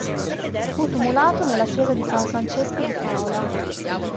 Fu tumulato nella chiesa di San Francesco di Paola.